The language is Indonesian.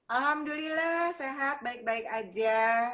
alhamdulillah sehat baik baik aja